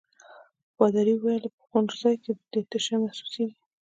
پادري وویل: په خوړنځای کې دي تشه محسوسيږي.